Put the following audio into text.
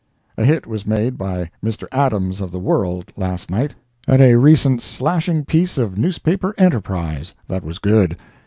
A hit was made by Mr. Adams of the World, last night, at a recent slashing piece of newspaper enterprise, that was good.